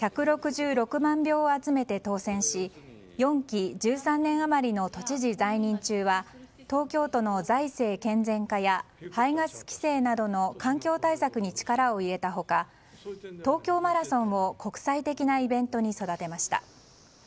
１６６万票を集めて当選し４期１３年あまりの都知事在任中は東京都の財政健全化や排ガス規制などの環境対策に力を入れた他東京マラソンを国際的なイベントに育てました。